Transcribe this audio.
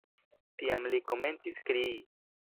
Tiam li komencis krii.